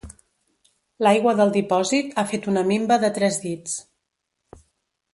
L'aigua del dipòsit ha fet una minva de tres dits.